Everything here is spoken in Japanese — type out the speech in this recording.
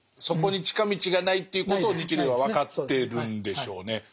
そこに近道がないということを日蓮は分かってるんでしょうね。